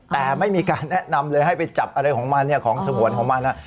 แต่ไม่มีการแนะนำเลยให้ไปจับอะไรของมันเนี่ยของสงวนของมัน